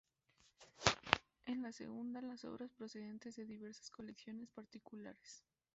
En la segunda, las obras procedentes de diversas colecciones particulares.